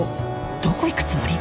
どこ行くつもり？